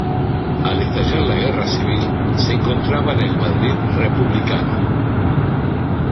Al estallar la Guerra Civil, se encontraba en el Madrid republicano.